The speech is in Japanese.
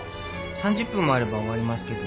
３０分もあれば終わりますけど。